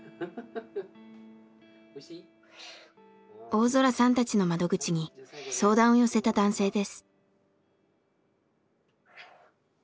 大空さんたちの窓口に相談を寄せた男性です。